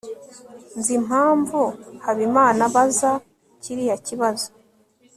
nzi impamvu habimana abaza kiriya kibazo